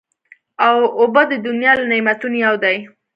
اوبه د دنیا له نعمتونو یو دی.